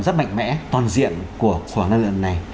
rất mạnh mẽ toàn diện của năng lượng này